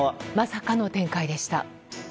まさかの展開でした。